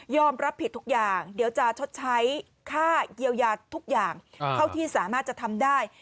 รับผิดทุกอย่างเดี๋ยวจะชดใช้ค่าเยียวยาทุกอย่างเท่าที่สามารถจะทำได้